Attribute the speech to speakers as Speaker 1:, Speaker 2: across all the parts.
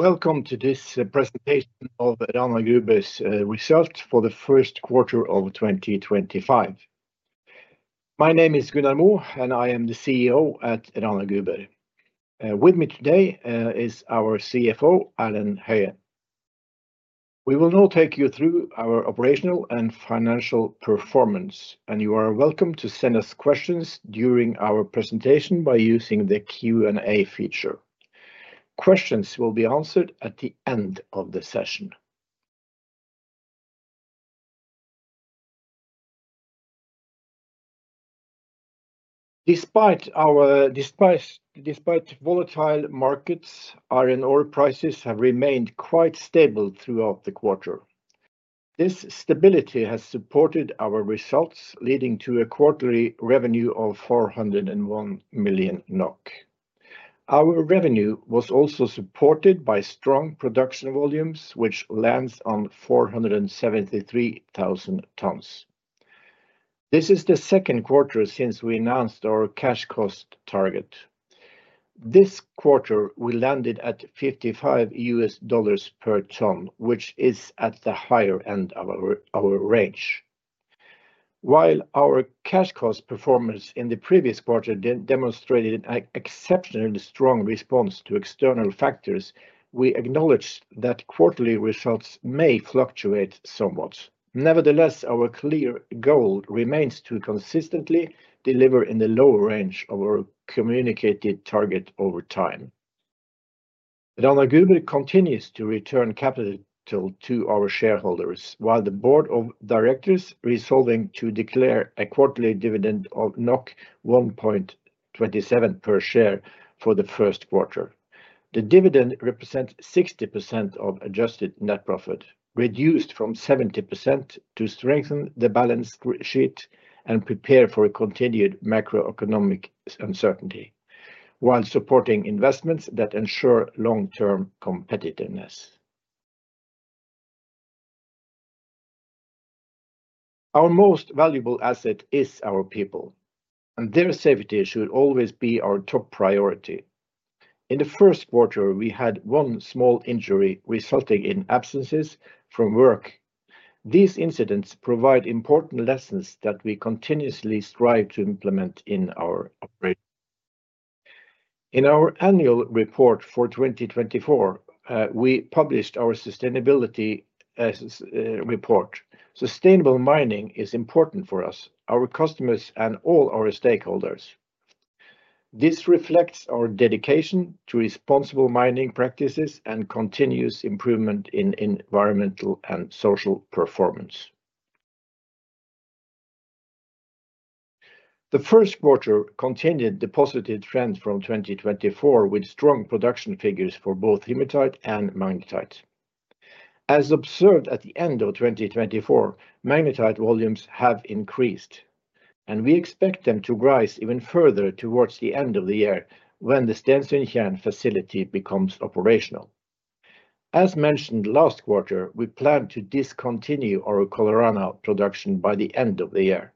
Speaker 1: Welcome to this presentation of Rana Gruber's Result for the First Quarter of 2025. My name is Gunnar Moe, and I am the CEO at Rana Gruber. With me today is our CFO, Erlend Høyen. We will now take you through our operational and financial performance, and you are welcome to send us questions during our presentation by using the Q&A feature. Questions will be answered at the end of the session. Despite volatile markets, iron ore prices have remained quite stable throughout the quarter. This stability has supported our results, leading to a quarterly revenue of 401 million NOK. Our revenue was also supported by strong production volumes, which lands on 473,000 tons. This is the second quarter since we announced our cash cost target. This quarter, we landed at $55 per ton, which is at the higher end of our range. While our cash cost performance in the previous quarter demonstrated an exceptionally strong response to external factors, we acknowledge that quarterly results may fluctuate somewhat. Nevertheless, our clear goal remains to consistently deliver in the lower range of our communicated target over time. Erlend Høyen continues to return capital to our shareholders, while the board of directors is resolving to declare a quarterly dividend of 1.27 per share for the first quarter. The dividend represents 60% of adjusted net profit, reduced from 70% to strengthen the balance sheet and prepare for continued macroeconomic uncertainty, while supporting investments that ensure long-term competitiveness. Our most valuable asset is our people, and their safety should always be our top priority. In the first quarter, we had one small injury resulting in absences from work. These incidents provide important lessons that we continuously strive to implement in our operations. In our Annual Report for 2024, we published our Sustainability Report. Sustainable mining is important for us, our customers, and all our stakeholders. This reflects our dedication to responsible mining practices and continuous improvement in environmental and social performance. The first quarter continued the positive trend from 2024, with strong production figures for both hematite and magnetite. As observed at the end of 2024, magnetite volumes have increased, and we expect them to rise even further towards the end of the year when the Stensøyvann facility becomes operational. As mentioned last quarter, we plan to discontinue our Colorado production by the end of the year.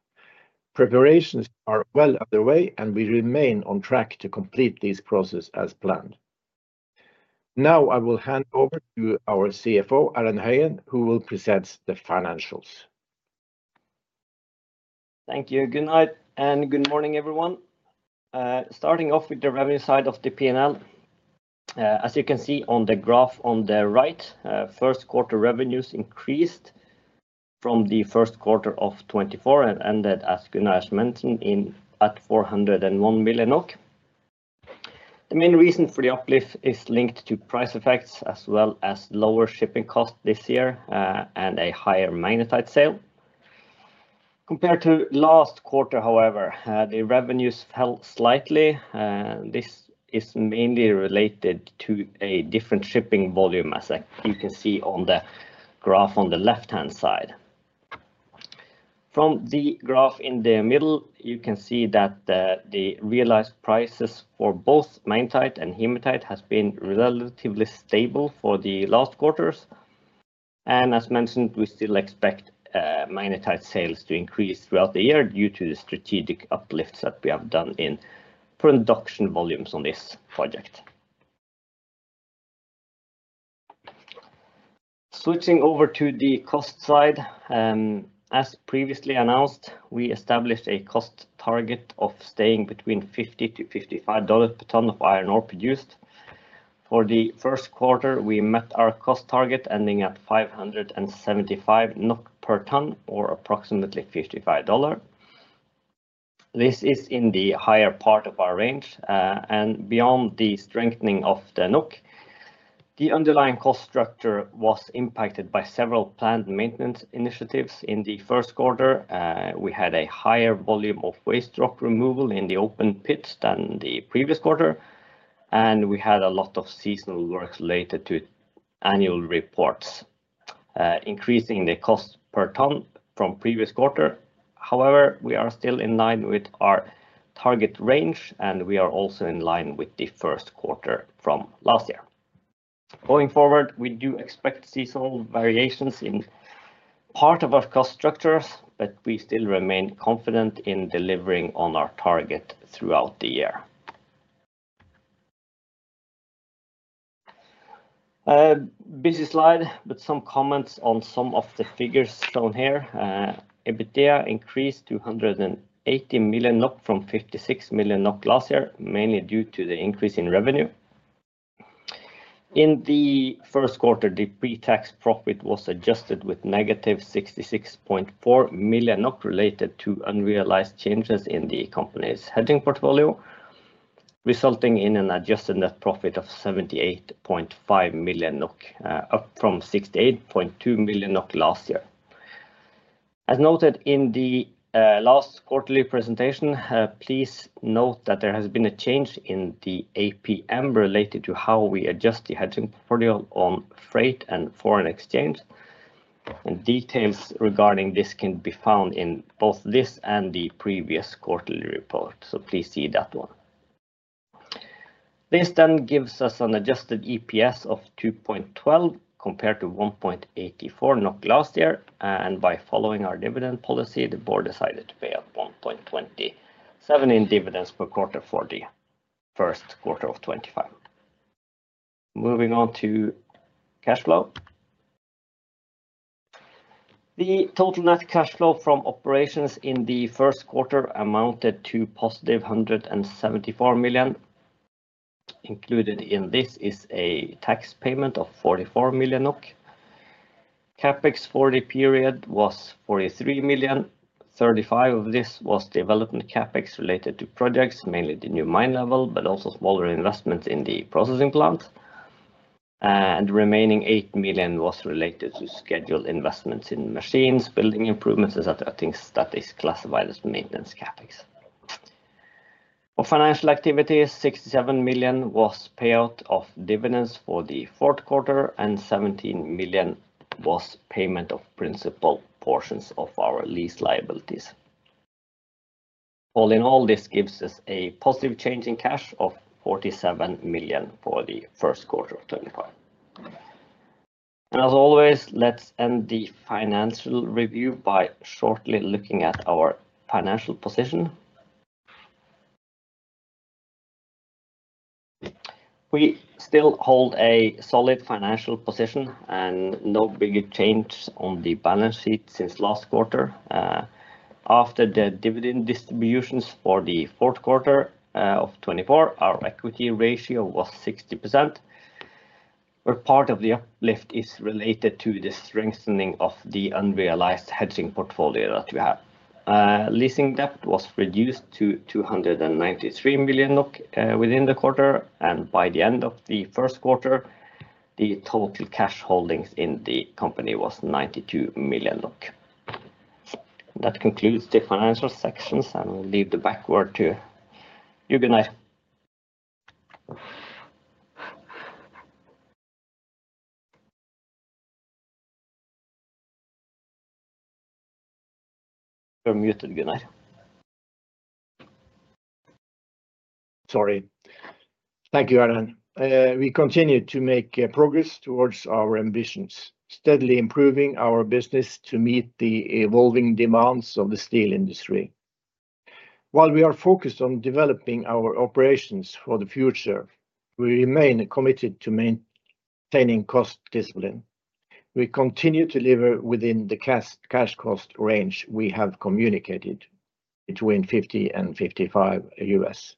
Speaker 1: Preparations are well underway, and we remain on track to complete this process as planned. Now I will hand over to our CFO, Erlend Høyen, who will present the financials.
Speaker 2: Thank you, Gunnar, and good morning, everyone. Starting off with the revenue side of the P&L. As you can see on the graph on the right, first quarter revenues increased from the first quarter of 2024 and ended, as Gunnar has mentioned, at 401 million. The main reason for the uplift is linked to price effects, as well as lower shipping costs this year and a higher magnetite sale. Compared to last quarter, however, the revenues fell slightly. This is mainly related to a different shipping volume, as you can see on the graph on the left-hand side. From the graph in the middle, you can see that the realized prices for both magnetite and hematite have been relatively stable for the last quarters. As mentioned, we still expect magnetite sales to increase throughout the year due to the strategic uplifts that we have done in production volumes on this project. Switching over to the cost side, as previously announced, we established a cost target of staying between $50-$55 per ton of iron ore produced. For the first quarter, we met our cost target ending at 575 NOK per ton, or approximately $55. This is in the higher part of our range. Beyond the strengthening of the NOK, the underlying cost structure was impacted by several planned maintenance initiatives. In the first quarter, we had a higher volume of waste rock removal in the open pit than the previous quarter, and we had a lot of seasonal work related to Annual Reports, increasing the cost per ton from the previous quarter. However, we are still in line with our target range, and we are also in line with the first quarter from last year. Going forward, we do expect seasonal variations in part of our cost structures, but we still remain confident in delivering on our target throughout the year. Busy slide, but some comments on some of the figures shown here. EBITDA increased to 180 million NOK from 56 million NOK last year, mainly due to the increase in revenue. In the first quarter, the pre-tax profit was adjusted with -66.4 million related to unrealized changes in the company's hedging portfolio, resulting in an adjusted net profit of 78.5 million NOK, up from 68.2 million NOK last year. As noted in the last quarterly presentation, please note that there has been a change in the APM related to how we adjust the hedging portfolio on freight and foreign exchange. Details regarding this can be found in both this and the previous quarterly report, so please see that one. This then gives us an adjusted EPS of 2.12 compared to 1.84 NOK last year. By following our dividend policy, the board decided to pay out 1.27 in dividends per quarter for the first quarter of 2025. Moving on to cash flow. The total net cash flow from operations in the first quarter amounted to +174 million. Included in this is a tax payment of 44 million. CapEx for the period was 43 million. 35 million of this was development CapEx related to projects, mainly the new mine level, but also smaller investments in the processing plant. The remaining 8 million was related to scheduled investments in machines, building improvements, etc., things that are classified as maintenance CapEx. For financial activities, 67 million was payout of dividends for the fourth quarter, and 17 million was payment of principal portions of our lease liabilities. All in all, this gives us a positive change in cash of 47 million for the first quarter of 2025. As always, let's end the financial review by shortly looking at our financial position. We still hold a solid financial position and no bigger change on the balance sheet since last quarter. After the dividend distributions for the fourth quarter of 2024, our equity ratio was 60%. Part of the uplift is related to the strengthening of the unrealized hedging portfolio that we have. Leasing debt was reduced to 293 million NOK within the quarter, and by the end of the first quarter, the total cash holdings in the company was 92 million. That concludes the financial sections, and we'll leave the backword to you, Gunnar. You're muted, Gunnar.
Speaker 1: Sorry. Thank you, Erlend. We continue to make progress towards our ambitions, steadily improving our business to meet the evolving demands of the steel industry. While we are focused on developing our operations for the future, we remain committed to maintaining cost discipline. We continue to deliver within the cash cost range we have communicated between $50-$55.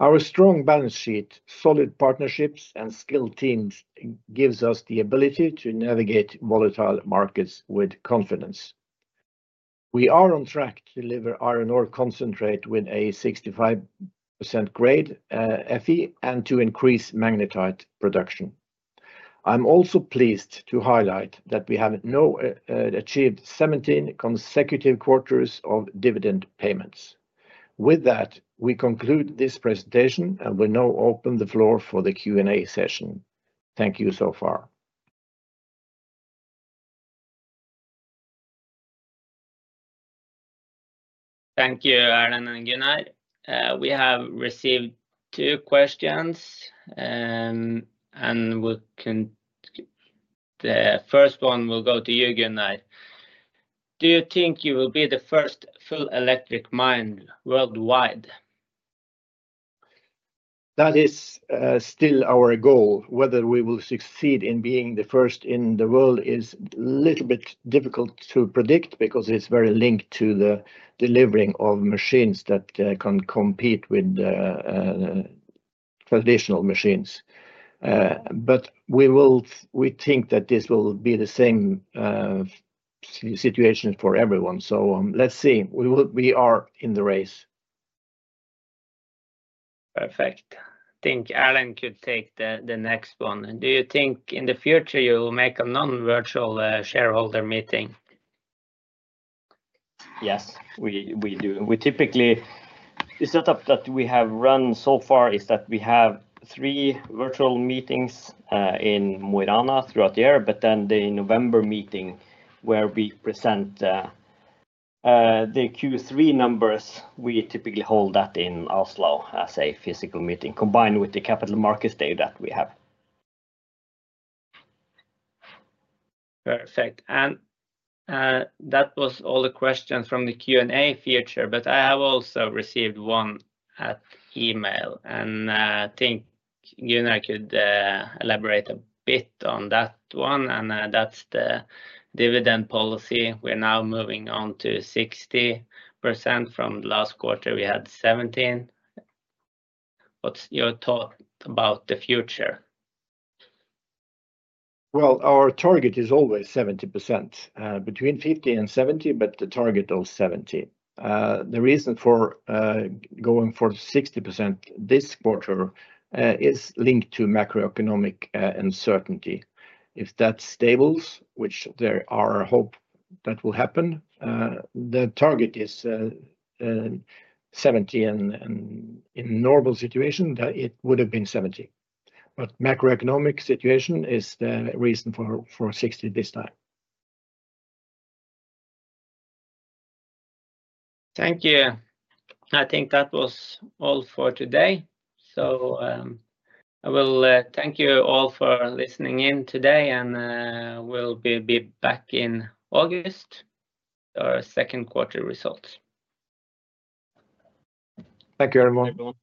Speaker 1: Our strong balance sheet, solid partnerships, and skilled teams give us the ability to navigate volatile markets with confidence. We are on track to deliver iron ore concentrate with a 65% grade Fe and to increase magnetite production. I'm also pleased to highlight that we have now achieved 17 consecutive quarters of dividend payments. With that, we conclude this presentation, and we now open the floor for the Q&A session. Thank you so far. Thank you, Erlend and Gunnar. We have received two questions, and the first one will go to you, Gunnar. Do you think you will be the first full electric mine worldwide? That is still our goal. Whether we will succeed in being the first in the world is a little bit difficult to predict because it's very linked to the delivering of machines that can compete with traditional machines. We think that this will be the same situation for everyone. Let's see. We are in the race. Perfect. I think Erlend could take the next one. Do you think in the future you will make a non-virtual shareholder meeting?
Speaker 2: Yes, we do. We typically, the setup that we have run so far is that we have three virtual meetings in Mo i Rana throughout the year, but then the November meeting where we present the Q3 numbers, we typically hold that in Oslo as a physical meeting combined with the capital markets day that we have. Perfect. That was all the questions from the Q&A feature, but I have also received one at email, and I think Gunnar could elaborate a bit on that one. That is the dividend policy. We are now moving on to 60%. From the last quarter, we had 17%. What is your thought about the future?
Speaker 1: Our target is always 70%, between 50%-70%, but the target of 70%. The reason for going for 60% this quarter is linked to macroeconomic uncertainty. If that stables, which there are hope that will happen, the target is 70%. In a normal situation, it would have been 70%. Macroeconomic situation is the reason for 60% this time. Thank you. I think that was all for today. I will thank you all for listening in today, and we'll be back in August with our second quarter results. Thank you, Erlend Høyen.